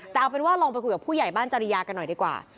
แต่เอาเป็นว่าลองไปคุยกับผู้ใหญ่บ้านจริยากันหน่อยดีกว่า